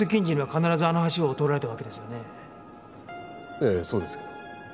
ええそうですけど。